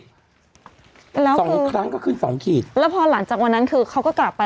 แล้วสองครั้งก็ขึ้นสองขีดแล้วพอหลังจากวันนั้นคือเขาก็กลับไป